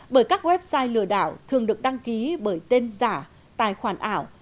bởi các website lừa đảo thường được đăng ký bởi tên giả tài khoản ảo